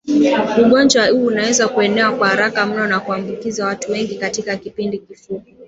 Ugonjwa huu unaweza kuenea kwa haraka mno na kuambukiza watu wengi katika kipindi kifupi